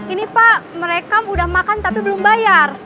ini pak merekam udah makan tapi belum bayar